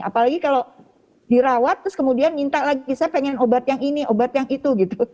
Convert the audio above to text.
apalagi kalau dirawat terus kemudian minta lagi saya pengen obat yang ini obat yang itu gitu